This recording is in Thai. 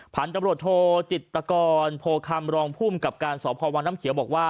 ผ่านตำรวจโทรติตกรโพรคำรองพุ่มกับการสอบภาวะวางน้ำเขียวบอกว่า